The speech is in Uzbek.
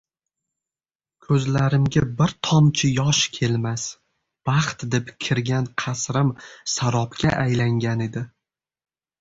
Ko`zlarimga bir tomchi yosh kelmas, baxt deb kirgan qasrim sarobga aylangan edi